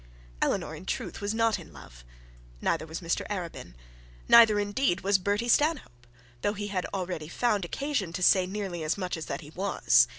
Eleanor, in truth, was not in love; neither was Mr Arabin. Neither indeed was Bertie Stanhope, though he had already found occasion to say nearly as much as that he was.